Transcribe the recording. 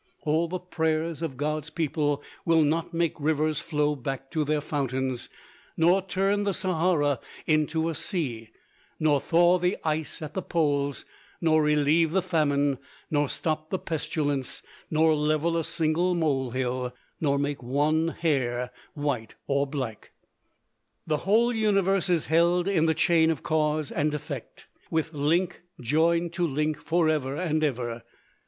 All the prayers of God's people will not make rivers flow back to their fountains, nor turn the Sahara into a sea; nor thaw the ice at the poles, nor relieve the famine, nor stop the pestilence, nor level a single mole hill, nor make one hair white or black. The whole universe is held in the chain of cause and effect, with link joined to link forever and ever.